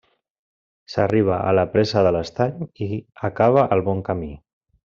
S'arriba a la presa de l'estany i acaba el bon camí.